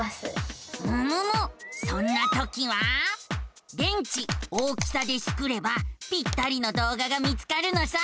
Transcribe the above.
そんなときは「電池大きさ」でスクればぴったりの動画が見つかるのさ。